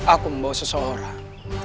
aku membawa seseorang